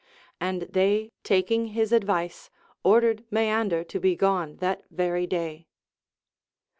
And they taking his advice ordered Maeander to be gone that very day.